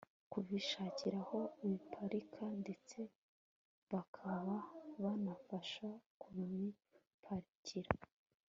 kubishakira aho biparika ndetse bakaba babafasha kubibaparikira